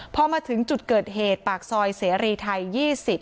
พอมาถึงจุดเกิดเหตุปากซอยเสรีไทย๒๐